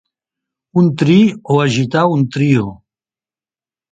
Un tri, o agitar un trio